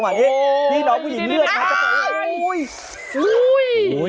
ฮฮโอ้ยโอ้ย้